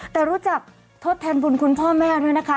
แต่รู้จักทดแทนบุญคุณพ่อแม่ด้วยนะคะ